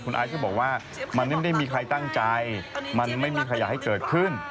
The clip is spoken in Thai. ไอซ์ก็บอกว่ามันไม่ได้มีใครตั้งใจมันไม่มีใครอยากให้เกิดขึ้น